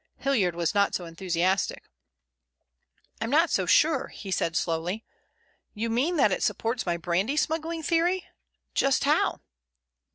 Hilliard was not so enthusiastic. "I'm not so sure," he said slowly. "You mean that it supports my brandy smuggling theory? Just how?"